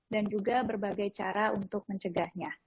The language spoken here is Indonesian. dan juga berbagai cara untuk mencegahnya